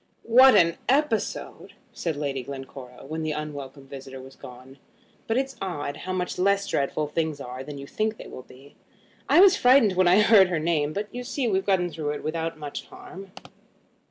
"What an episode!" said Lady Glencora, when the unwelcome visitor was gone; "but it's odd how much less dreadful things are than you think they will be. I was frightened when I heard her name; but you see we've got through it without much harm."